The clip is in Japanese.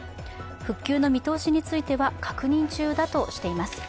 復旧の見通しについては、確認中だとしています。